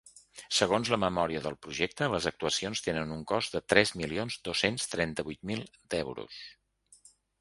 Segons la memòria del projecte, les actuacions tenen un cost de tres milions dos-cents trenta-vuit mil d’euros.